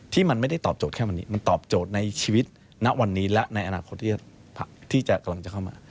ที่มันไม่ได้ตอบโจทย์แค่วันนี้มันตอบโจทย์ในชีวิตณวันนี้และในอนาคตที่กำลังจะเข้ามา